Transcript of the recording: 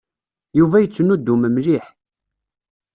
Yuba yettnuddum mliḥ.